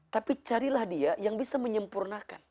tapi carilah dia yang bisa menyempurnakan